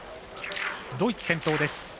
ドイツ先頭です。